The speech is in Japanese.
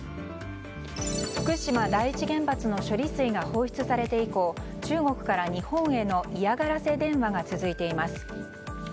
福島第一原発の処理水が放出されて以降中国から日本への嫌がらせ電話が続いています。